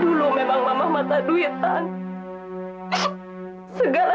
dulu memang mama matahari